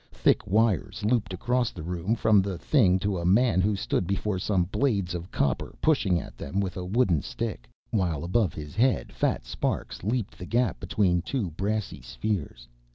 Thick wires looped across the room from the thing to a man who stood before some blades of copper pushing at them with a wooden stick, while above his head fat sparks leaped the gap between two brassy spheres.